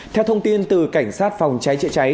theo thông tin từ cảnh sát phòng cháy chữa cháy